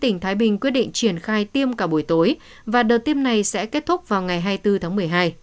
tỉnh thái bình quyết định triển khai tiêm cả buổi tối và đợt tiêm này sẽ kết thúc vào ngày hai mươi bốn tháng một mươi hai